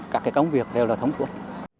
các công việc đều là thống thuộc